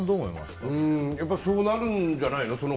それはそうなるんじゃないの？